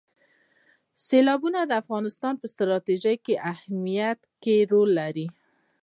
سیلابونه د افغانستان په ستراتیژیک اهمیت کې رول لري.